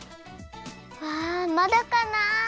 ああまだかな？